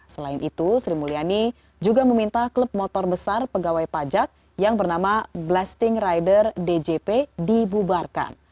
selain itu sri mulyani juga meminta klub motor besar pegawai pajak yang bernama blasting rider djp dibubarkan